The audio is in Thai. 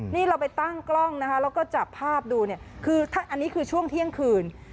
นี่เราไปตั้งกล้องนะคะแล้วก็จับภาพดูเนี่ยคืออันนี้คือช่วงเที่ยงคืน